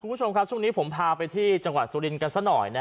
คุณผู้ชมครับช่วงนี้ผมพาไปที่จังหวัดสุรินทร์กันซะหน่อย